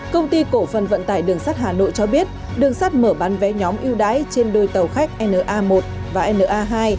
công ty cổ phần vận tải đường sắt hà nội cho biết đường sắt mở bán vé nhóm yêu đáy trên đôi tàu khách na một và na hai